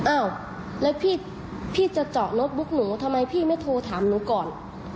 อ้าวแล้วพี่จะเจาะรถบุ๊กหนูทำไมพี่ไม่โทรถามหนูก่อน